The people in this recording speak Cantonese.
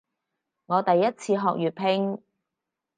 我第一次學粵拼